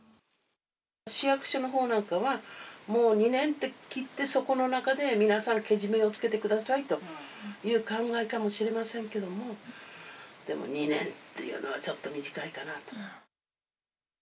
市役所の方なんかはもう２年と切って、そこの中で皆さん、けじめをつけてくださいという考えかもしれませんけれどもでも２年というのはちょっと短いかなと。